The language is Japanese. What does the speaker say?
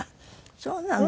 そうなの！